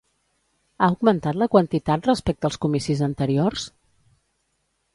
Ha augmentat la quantitat respecte als comicis anteriors?